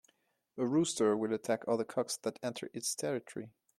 A rooster will attack other cocks that enter its territory.